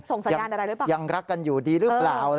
สัญญาณอะไรหรือเปล่ายังรักกันอยู่ดีหรือเปล่า